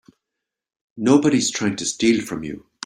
Nobody's trying to steal from you.